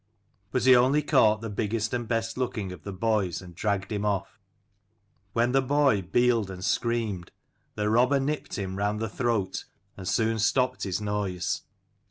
But he only caught the biggest and best looking of the boys, and dragged him off. When the boy bealed and screamed, the robber nipped him round the throat, and soon stopped his noise.